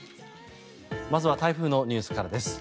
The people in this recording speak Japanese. まずは台風のニュースからです。